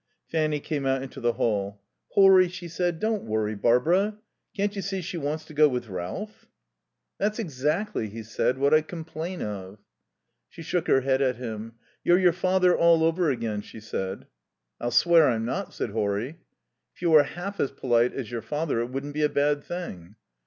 Fanny came out into the hall. "Horry," she said, "don't worry Barbara. Can't you see she wants to go with Ralph?" "That's exactly," he said, "what I complain of." She shook her head at him. "You're your father all over again," she said. "I'll swear I'm not," said Horry. "If you were half as polite as your father it wouldn't be a bad thing."